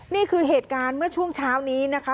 นี่คือเหตุการณ์เมื่อช่วงเช้านี้นะคะ